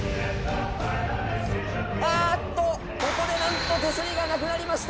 あっと、ここでなんと手すりがなくなりました。